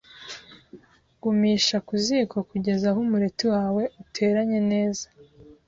gumisha ku ziko kugeza aho umureti wawe uteranye neza,